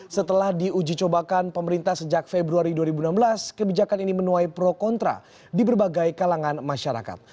setelah diuji cobakan pemerintah sejak februari dua ribu enam belas kebijakan ini menuai pro kontra di berbagai kalangan masyarakat